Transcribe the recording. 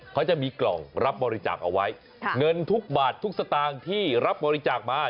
เขาจะมีกล่องรับบริจาคเอาไว้เงินทุกบาททุกสตางค์ที่รับบริจาคมา